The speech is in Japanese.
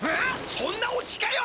そんなオチかよ！